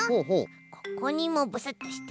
ここにもブスッとして。